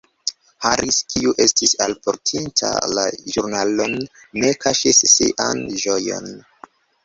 Harris, kiu estis alportinta la ĵurnalon, ne kaŝis sian ĝojon.